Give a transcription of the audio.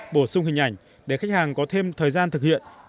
bổ sung hình ảnh để khách hàng có thêm thời gian thực hiện thông tin